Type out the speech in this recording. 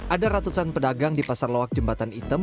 ada ratusan pedagang di pasar loak jembatan item